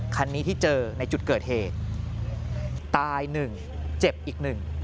คันนี้ที่เจอในจุดเกิดเหตุตายหนึ่งเจ็บอีกหนึ่ง